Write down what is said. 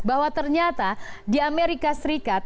bahwa ternyata di amerika serikat